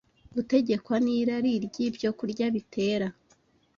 Gutegekwa n’irari ry’ibyokurya bitera